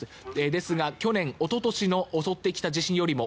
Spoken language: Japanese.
ですが、去年、おととし襲ってきた地震よりも